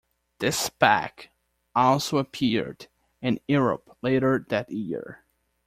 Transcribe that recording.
This pack also appeared in Europe later that year.